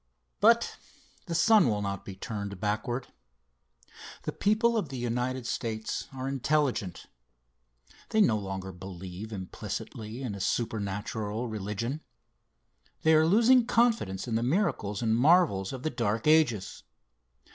But the sun will not be turned backward. The people of the United States are intelligent. They no longer believe implicitly in supernatural religion. They are losing confidence in the miracles and marvels of the Dark Ages.